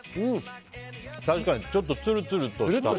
確かにちょっとツルツルとした。